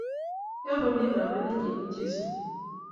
Yamami mama nenyi kochesani.